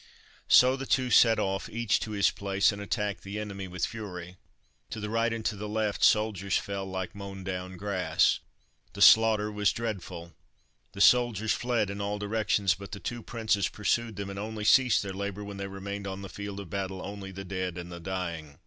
So the two set off, each to his place, and attacked the enemy with fury. To the right and to the left the soldiers fell like mown down grass. The slaughter was dreadful. The soldiers fled in all directions, but the two princes pursued them, and only ceased their labour when there remained on the field of battle only the dead and the dying.